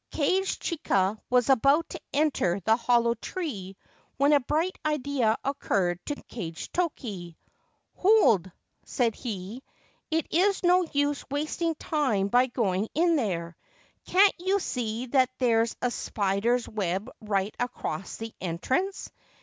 Kage chika was about to enter the hollow tree when a bright idea occurred to Kagetoki. ' Hold !' said he. ' It is no use wasting time by going in there. Can't you see that there is a spider's web right across the entrance